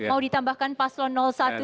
mau ditambahkan paslon satu